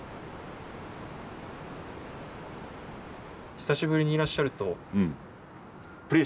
久しぶりにいらっしゃるとプレーしたいなとは。